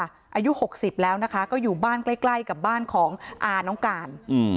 อายุ๖๐แล้วนะคะก็อยู่บ้านใกล้กับบ้านของอาน้องการ